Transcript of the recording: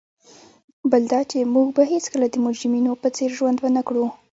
بل دا چي موږ به هیڅکله د مجرمینو په څېر ژوند ونه کړو.